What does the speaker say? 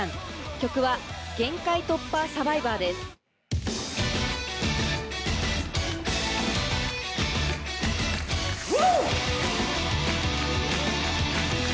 曲は『限界突破×サバイバー』です。フゥ！